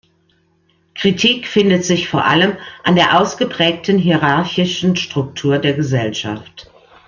Kritik findet sich vor allem an der ausgeprägten hierarchischen Struktur der Gesellschaft.